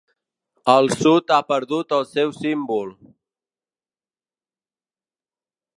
El sud ha perdut el seu símbol.